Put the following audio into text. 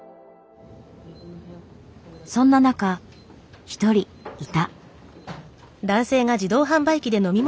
そんな中１人いた。